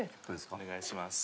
お願いします。